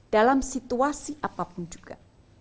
dalam situasi apapun juga